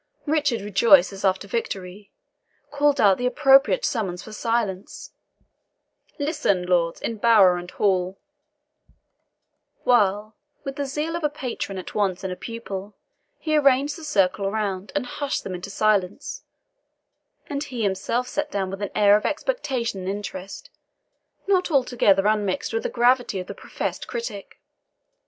Richard, rejoiced as after victory, called out the appropriate summons for silence, "Listen, lords, in bower and hall"; while, with the zeal of a patron at once and a pupil, he arranged the circle around, and hushed them into silence; and he himself sat down with an air of expectation and interest, not altogether unmixed with the gravity of the professed critic.